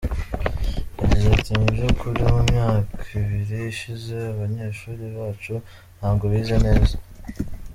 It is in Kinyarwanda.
Yagize ati “Mu by’ukuri mu myaka ibiri ishize abanyeshuri bacu ntabwo bize neza.